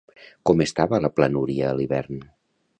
Com estava la planúria a l'hivern?